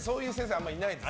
あんまりいないです。